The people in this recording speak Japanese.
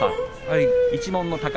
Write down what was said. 一門の宝